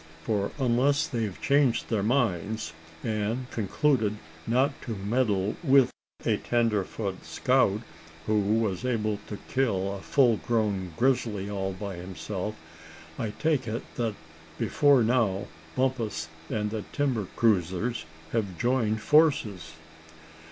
"For unless they've changed their minds, and concluded not to meddle with a tenderfoot scout who was able to kill a full grown grizzly all by himself, I take it that before now Bumpus and the timber cruisers have joined forces."